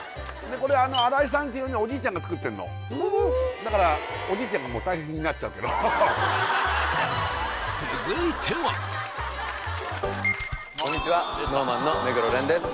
これ荒井さんっていうねおじいちゃんが作ってんのだからおじいちゃんがもう大変になっちゃうけどこんにちはＳｎｏｗＭａｎの目黒蓮です